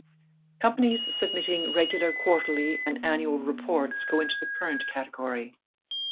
Companies submitting regular Quarterly and Annual Reports go into the Current category.